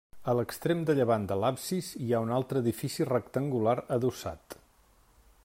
A l'extrem de llevant de l'absis hi ha un altre edifici rectangular adossat.